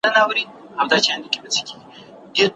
ښه لارښود کولای سي د ځوان څېړونکي راتلونکی روښانه کړي.